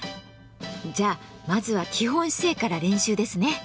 じゃあまずは基本姿勢から練習ですね。